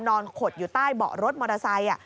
ขดอยู่ใต้เบาะรถมอเตอร์ไซค์